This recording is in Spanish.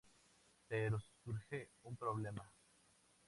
Pero surge un problema.